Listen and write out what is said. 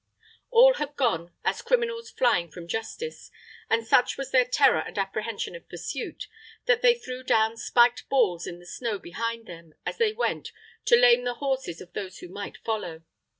All had gone, as criminals flying from justice, and such was their terror and apprehension of pursuit, that they threw down spiked balls in the snow behind them as they went, to lame the horses of those who might follow.